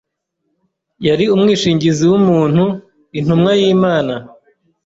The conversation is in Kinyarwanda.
Yari umwishingizi w’umuntu, Intumwa y’Imana